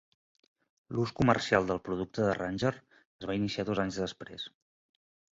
L'ús comercial del producte de Ranger es va iniciar dos anys després.